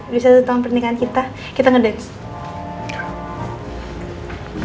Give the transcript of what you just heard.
di satu tahun pernikahan kita kita ngedance